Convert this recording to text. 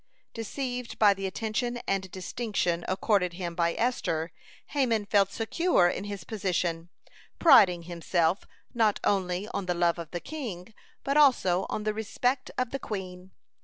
(152) Deceived by the attention and distinction accorded him by Esther, Haman felt secure in his position, priding himself not only on the love of the king, but also on the respect of the queen.